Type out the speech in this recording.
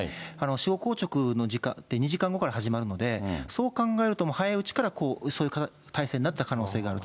死後硬直の時間って、２時間後から始まるので、そう考えると、もう早いうちからそういう体勢になった可能性がある。